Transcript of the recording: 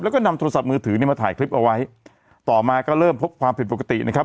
แล้วก็นำโทรศัพท์มือถือเนี่ยมาถ่ายคลิปเอาไว้ต่อมาก็เริ่มพบความผิดปกตินะครับ